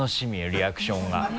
リアクションが。